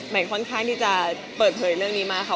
ไหมค่อนข้างจะเปิดะหรือเรื่องนี้มาค่ะ